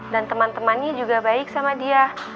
dan teman temannya juga baik sama dia